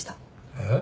えっ？